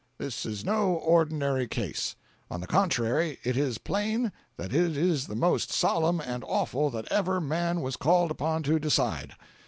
This is no ordinary case. On the contrary it is plain that it is the most solemn and awful that ever man was called upon to decide.